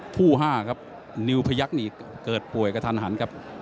๕ครับนิวพยักษ์นี่เกิดป่วยกระทันหันครับ